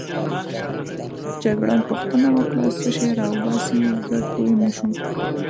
جګړن پوښتنه وکړه: څه شی راوباسې؟ زه پوه نه شوم.